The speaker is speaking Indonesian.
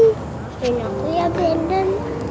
bikin aku ya brandon